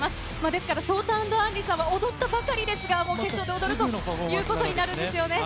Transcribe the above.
ですから、Ｓｏｔａ＆Ａｎｒｉさんは、踊ったばかりですが、もう決勝で踊るということになるんですよね。